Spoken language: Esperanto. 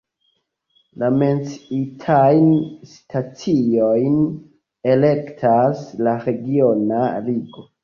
La menciitajn staciojn elektas la regiona ligo.